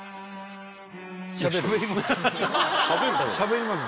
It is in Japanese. しゃべります